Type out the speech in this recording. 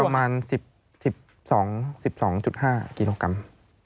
ประมาณ๑๒๑๒๕กิโลกรัม